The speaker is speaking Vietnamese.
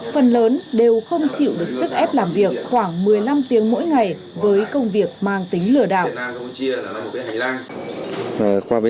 phần lớn đều không chịu được sức ép làm việc khoảng một mươi năm tiếng mỗi ngày với công việc mang tính lừa đảo